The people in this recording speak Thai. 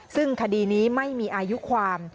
ซึ่งคดีนี้ไม่มีอายุความ